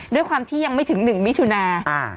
ด้วยความที่ยังไม่ถึงหนึ่งมิถุนาอ่า